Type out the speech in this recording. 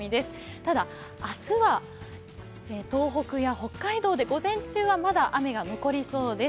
ただ、明日は、東北や北海道で午前中はまだ雨が残りそうです。